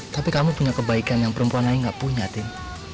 tapi kamu punya kebaikan yang perempuan lain gak punya tim